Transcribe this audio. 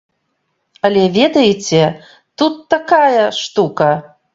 Але, ведаеце, тут такая штука.